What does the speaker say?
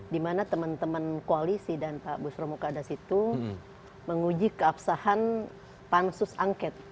di mana teman teman koalisi dan pak busro mukadis itu menguji keabsahan pansus angket